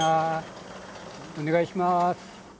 お願いします。